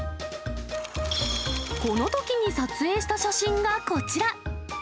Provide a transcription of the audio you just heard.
このときに撮影した写真がこちら。